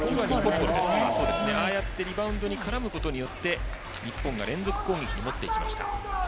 ああやってリバウンドに絡むことによって日本が連続攻撃に持っていきました。